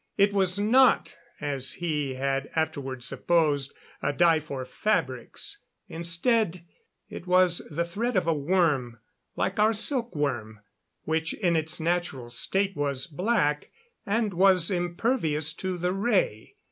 It was not, as he had afterward supposed, a dye for fabrics. Instead, it was the thread of a worm like our silk worm which in its natural state was black and was impervious to the ray.